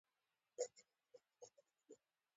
هغه یوه چینه ولیده.